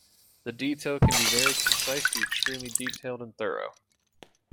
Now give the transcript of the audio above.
The detail can be very concise to extremely detailed and thorough.